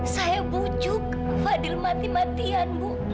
saya bujuk fadil mati matian bu